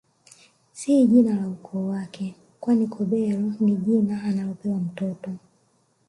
Si jina la ukoo wake kwani Kobero ni jina analopewa mtoto